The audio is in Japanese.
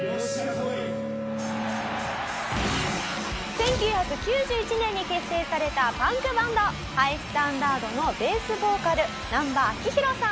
「１９９１年に結成されたパンクバンドＨｉ−ＳＴＡＮＤＡＲＤのベースボーカル難波章浩さん」